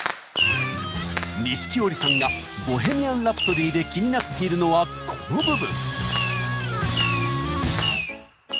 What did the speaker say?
錦織さんが「ボヘミアン・ラプソディ」で気になっているのはこの部分。